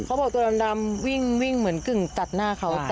เขาบอกตัวดำวิ่งเหมือนกึ่งตัดหน้าเขา